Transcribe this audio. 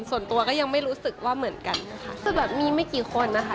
ส่วนตัวก็ยังไม่รู้สึกว่าเหมือนกันนะคะรู้สึกแบบมีไม่กี่คนนะคะ